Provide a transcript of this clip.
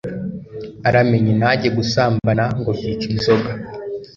aramenye ntajye gusambana ngo byica inzoga